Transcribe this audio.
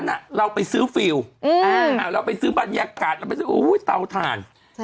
เราไปซื้อฟิลเราไปซื้อบรรยากาศเราไปซื้อเตาถ่าน